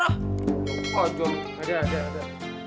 oh jauh ada ada ada